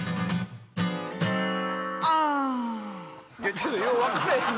ちょっとよう分からへん。